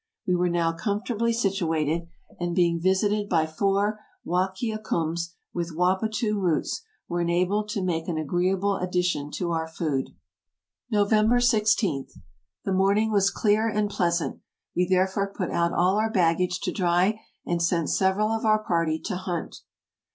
We were now comfortably situated, and, being visited by four Wahkiacums with wappatoo roots, were enabled to make an agreeable addition to our food. 160 TRAVELERS AND EXPLORERS "November 16. — The morning was clear and pleasant. We therefore put out all our baggage to dry, and sent sev eral of our party to hunt.